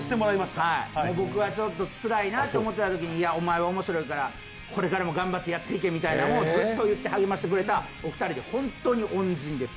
僕がちょっとつらいなと思ってるときに、お前面白いからこれからも頑張ってやっていけと、ずっと言って励ましてくれた本当に恩人です。